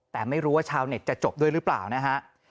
แต่ไม่รู้ว่าชาวเน็ตจะจบด้วยหรือเปล่านะฮะ